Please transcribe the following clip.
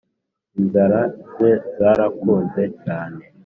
inzara ze zarakuze cyane